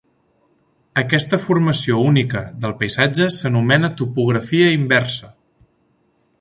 Aquesta formació única del paisatge s'anomena topografia inversa.